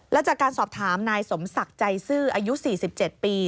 และจากการสอบถามนายสมศักดิ์ใจซื่ออายุ๔๗ปี